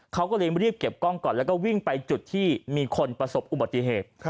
เขาก็เลยรีบเก็บกล้องก่อนแล้วก็วิ่งไปจุดที่มีคนประสบอุบัติเหตุ